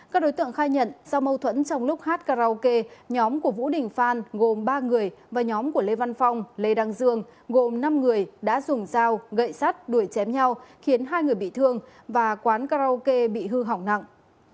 các đối tượng khai nhận do mâu thuẫn trong lúc hát karaoke nhóm của vũ đình phan gồm ba người và nhóm của lê văn phong lê đăng dương gồm năm người đã dùng dao gậy sắt đuổi chém nhau khiến hai người bị thương và quán karaoke bị hư hỏng nặng